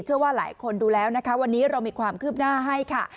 เชื่อว่าหลายคนดูแล้วนะคะวันนี้เรามีความคืบหน้าให้ค่ะ